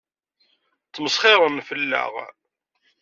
Ttmesxiṛen fell-aɣ.